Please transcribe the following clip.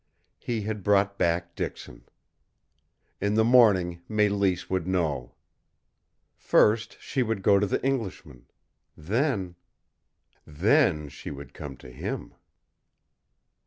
He had brought back Dixon. In the morning Mélisse would know. First she would go to the Englishman, then then she would come to him!